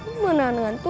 saya tidak bisa berhenti